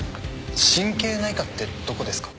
神経内科ってどこですか？